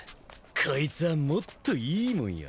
こいつはもっといいもんよ。